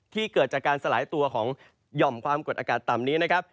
เกิดจากการสลายตัวของหย่อมความกดอากาศต่ำนี้นะครับ